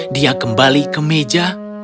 dia kembali ke meja